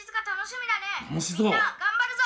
「みんな頑張るぞ！」